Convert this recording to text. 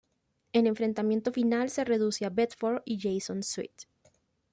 El enfrentamiento final se reduce a Bedford y Jason Sweet.